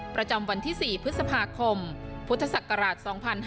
ประจำวันที่๔พฤษภาคมพุทธศักราช๒๕๕๙